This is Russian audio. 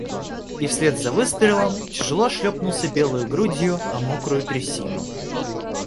И вслед за выстрелом тяжело шлепнулся белою грудью о мокрую трясину.